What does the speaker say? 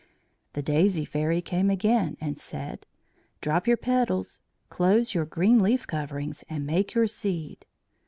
The Daisy Fairy came again and said: "Drop your petals, close your green leaf coverings, and make your seed."